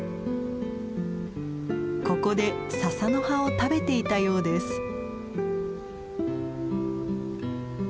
ここでササの葉を食べていたようです。